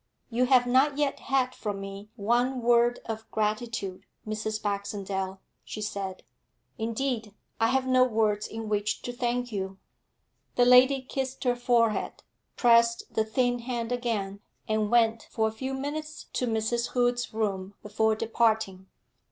'You have not yet had from me one word of gratitude, Mrs. Baxendale,' she said. 'Indeed, I have no words in which to thank you.' The lady kissed her forehead, pressed the thin hand again, and went for a few moments to Mrs. Hood's room before departing.